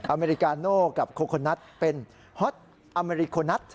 อเมริกาโน่กับโคโคนัสเป็นฮอตอเมริโคนัส